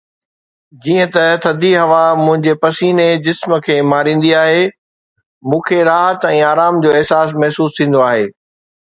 جيئن ته ٿڌي هوا منهنجي پسيني جسم کي ماريندي آهي، مون کي راحت ۽ آرام جو احساس محسوس ٿيندو آهي.